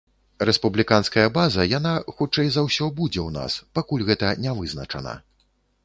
Рэспубліканская база, яна, хутчэй за ўсё, будзе ў нас, пакуль гэта не вызначана.